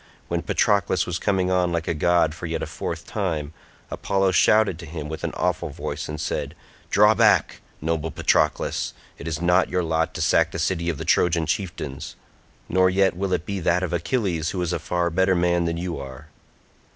When Patroclus was coming on like a god for yet a fourth time, Apollo shouted to him with an awful voice and said, "Draw back, noble Patroclus, it is not your lot to sack the city of the Trojan chieftains, nor yet will it be that of Achilles who is a far better man than you are."